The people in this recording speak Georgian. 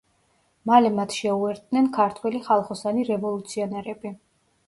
მალე მათ შეუერთდნენ ქართველი ხალხოსანი რევოლუციონერები.